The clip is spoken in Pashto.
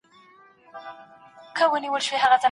راتلونکی د امید وړ دی.